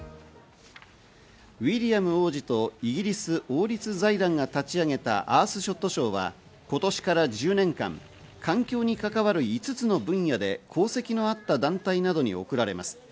ウィリアム王子とイギリス王立財団が立ち上げたアースショット賞は今年から１０年間、環境に関わる５つの分野で功績のあった団体などに贈られます。